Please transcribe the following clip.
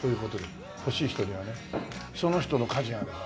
欲しい人にはねその人の価値があるから。